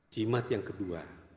jimat yang kedua